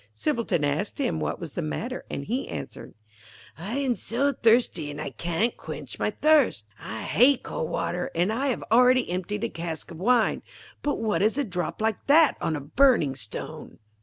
Simpleton asked him what was the matter, and he answered 'I am so thirsty, and I can't quench my thirst. I hate cold water, and I have already emptied a cask of wine; but what is a drop like that on a burning stone?'